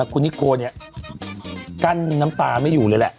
คุณนิโกเนี่ยกั้นน้ำตาไม่อยู่เลยแหละ